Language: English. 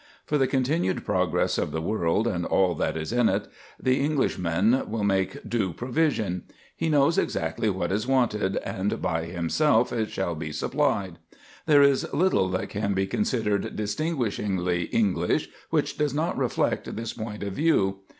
For the continued progress of the world and all that in it is, the Englishman will make due provision. He knows exactly what is wanted, and by himself it shall be supplied. There is little that can be considered distinguishingly English which does not reflect this point of view.